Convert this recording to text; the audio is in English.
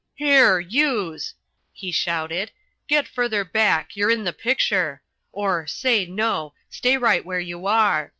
"Here, youse," he shouted, "get further back, you're in the picture. Or, say, no, stay right where you are.